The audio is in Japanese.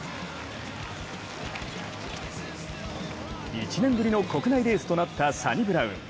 １年ぶりの国内レースとなったサニブラウン。